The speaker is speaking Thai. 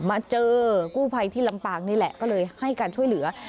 มาเจอกู้ภัยที่ลำปางนี่แหละก็เลยให้การช่วยเหลือ